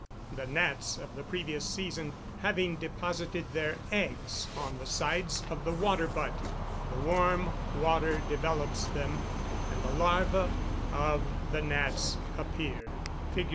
The gnats of the previous season having deposited their eggs on the sides of the water butt, the warm water developes them, and the larvæ of the gnats appear (Fig.